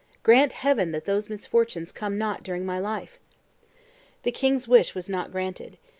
Grant Heaven that those misfortunes come not during my life!" The king's wish was not granted.